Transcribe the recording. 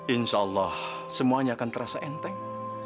insya allah semuanya akan terasa enteng